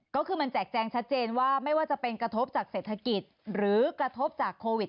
ก็คือมันแจกแจงชัดเจนว่าไม่ว่าจะเป็นกระทบจากเศรษฐกิจหรือกระทบจากโควิด